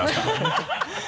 ハハハ